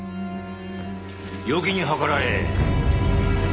よきにはからえ。